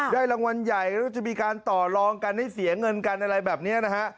รางวัลใหญ่แล้วจะมีการต่อลองกันให้เสียเงินกันอะไรแบบนี้นะฮะ